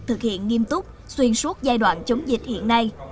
thực hiện nghiêm túc xuyên suốt giai đoạn chống dịch hiện nay